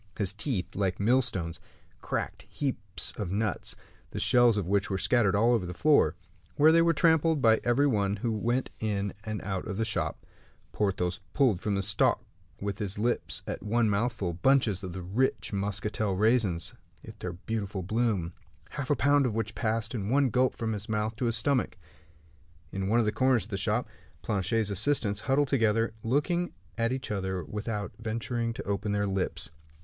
His teeth, like millstones, cracked heaps of nuts, the shells of which were scattered all over the floor, where they were trampled by every one who went in and out of the shop; Porthos pulled from the stalk with his lips, at one mouthful, bunches of the rich Muscatel raisins with their beautiful bloom, half a pound of which passed at one gulp from his mouth to his stomach. In one of the corners of the shop, Planchet's assistants, huddled together, looked at each other without venturing to open their lips.